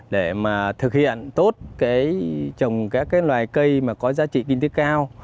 để mà thực hiện tốt trồng các loài cây mà có giá trị kinh tế cao